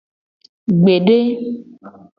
Gbede.